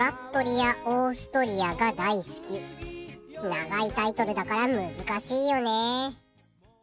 長いタイトルだから難しいよね。